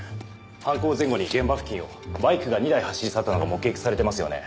犯行前後に現場付近をバイクが２台走り去ったのが目撃されてますよね。